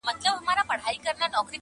په دې غار کي چي پراته کم موږکان دي،